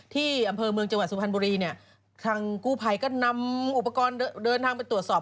ที่อำเภอเมืองจังหวัดสุพรรณบุรีเนี่ยทางกู้ภัยก็นำอุปกรณ์เดินทางไปตรวจสอบ